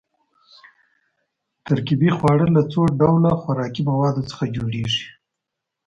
ترکیبي خواړه له څو ډوله خوراکي موادو څخه جوړیږي.